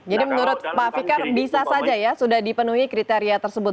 jadi menurut pak fikar bisa saja ya sudah dipenuhi kriteria tersebut